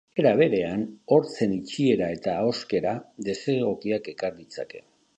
Era berean, hortzen itxiera eta ahoskera desegokiak ekar ditzake.